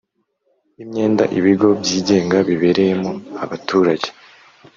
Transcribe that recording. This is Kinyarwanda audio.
Imyenda ibigo byigenga bibereyemo abaturage